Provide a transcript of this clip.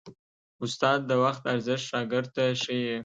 استاد د وخت ارزښت شاګرد ته ښيي.